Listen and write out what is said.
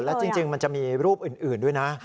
แล้วจริงมันจะมีรูปอื่นด้วยนะ